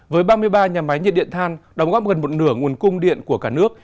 với ba mươi ba nhà máy nhiệt điện than đóng góp gần một nửa nguồn cung điện của cả nước